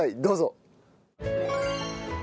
どうぞ。